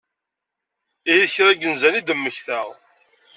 Ihi d kra n yinzan i d-mmektaɣ.